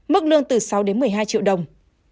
mức lương từ sáu đến một mươi hai triệu đồng